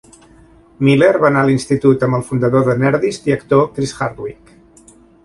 Miller va anar a l'institut amb el fundador de Nerdist i actor Chris Hardwick.